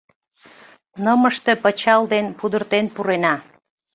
Нымыште пычал ден пудыртен пурена.